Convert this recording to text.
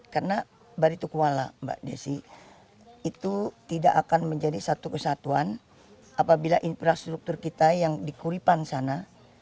karena barituk kuala mbak desi itu tidak akan menjadi satu kesatuan apabila infrastruktur kita yang di kuripan sana